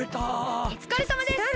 おつかれさまです！